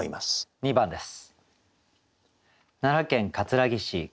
２番です。